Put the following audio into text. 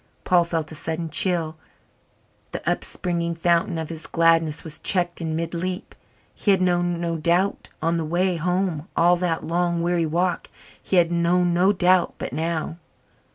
Paul felt a sudden chill the upspringing fountain of his gladness was checked in mid leap. He had known no doubt on the way home all that long, weary walk he had known no doubt but now?